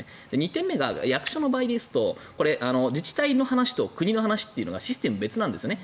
２点目が役所の場合ですと自治体の話と国の話というのがシステム別なんですよね。